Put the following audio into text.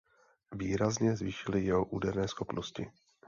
Výrazně zvýšily jeho úderné schopnosti.